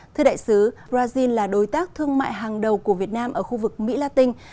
thưa đại sứ brazil là đối tác thương mại hàng đầu của việt nam ở khu vực mỹ la tinh